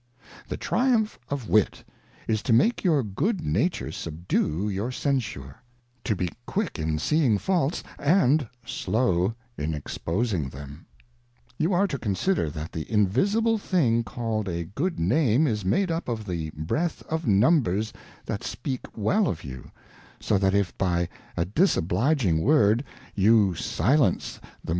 The Triumph of Wit is to make your good Nature subdue your Censure; to be quick in seeing Faults, and slow in exposing them You are to consider, that the invisible thing called a Good 'Name, is made up of the Breath of Numbers that speak well of you ; so that if by a disobliging Word you silence the meanest, 38 Advice to a Daughter.